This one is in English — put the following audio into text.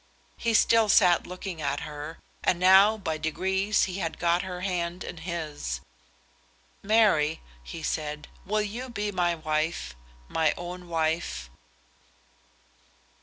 He still sat looking at her, and now by degrees he had got her hand in his. "Mary," he said, "will you be my wife, my own wife?"